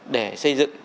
để xây dựng